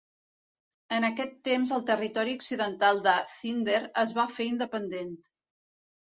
En aquest temps el territori occidental de Zinder es va fer independent.